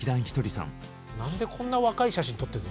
何でこんな若い写真撮って。